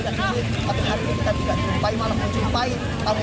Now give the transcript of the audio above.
tapi hari ini kita tidak mencumpai malah mencumpai